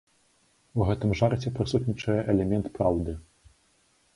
У гэтым жарце прысутнічае элемент праўды.